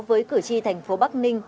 với cử tri thành phố bắc ninh